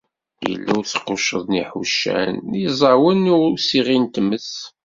Yella usqucceḍ n yiḥuccan d yiẓawen i usiɣi n tmes.